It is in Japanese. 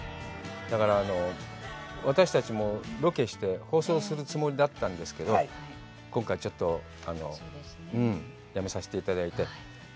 だから、私たちもロケして放送するつもりだったんですけど、今回ちょっとやめさせていただいて。